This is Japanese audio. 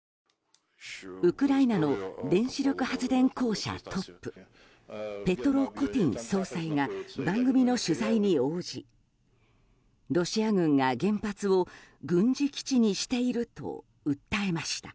ウクライナの原子力発電公社トップペトロ・コティン総裁が番組の取材に応じロシア軍が原発を軍事基地にしていると訴えました。